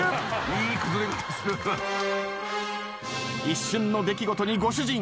一瞬の出来事にご主人。